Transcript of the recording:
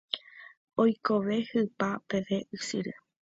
Oikove hypa peve ysyry.